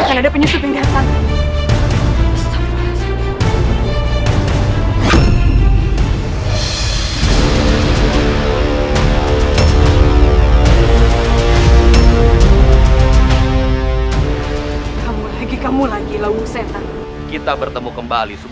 akhirnya aku bisa membawamu kepada gusti prabu surawi sese